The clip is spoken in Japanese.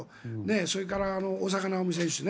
それから大坂なおみ選手ね。